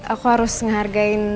aku harus ngehargain